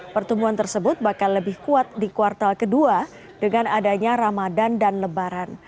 pertumbuhan tersebut bakal lebih kuat di kuartal kedua dengan adanya ramadan dan lebaran